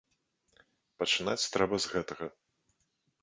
Пачынаць трэба з гэтага.